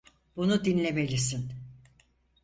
Bunu dinlemelisin.